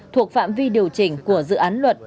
thuộc phạm vi điều chỉnh của dự án luật